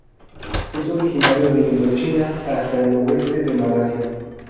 Es originario de Indochina hasta el oeste de Malasia.